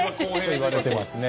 と言われてますね。